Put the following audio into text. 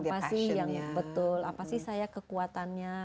apa sih yang betul apa sih saya kekuatannya